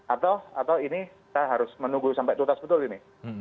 atau ini saya harus menunggu sampai tutas betul ini